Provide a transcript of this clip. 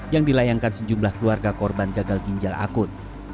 yang dilayangkan sejumlah keluarga korban gagal ginjal akut